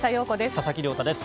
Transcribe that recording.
佐々木亮太です。